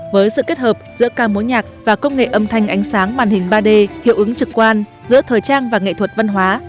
với sự kết hợp giữa ca mối nhạc và công nghệ âm thanh ánh sáng màn hình ba d hiệu ứng trực quan giữa thời trang và nghệ thuật văn hóa